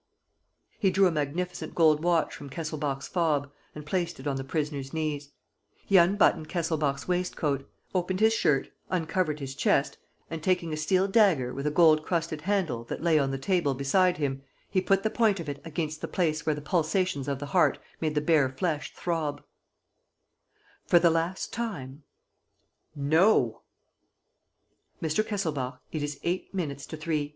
He drew a magnificent gold watch from Kesselbach's fob and placed it on the prisoner's knees. He unbuttoned Kesselbach's waistcoat, opened his shirt, uncovered his chest and, taking a steel dagger, with a gold crusted handle, that lay on the table beside him, he put the point of it against the place where the pulsations of the heart made the bare flesh throb: "For the last time?" "No!" "Mr. Kesselbach, it is eight minutes to three.